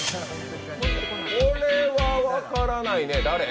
これは分からないね、誰？